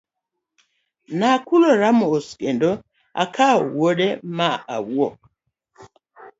Nokulore mos kendo okawo wuode ma owuok.